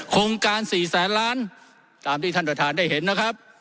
โครงการสี่แสนล้านตามที่ท่านประธานได้เห็นนะครับ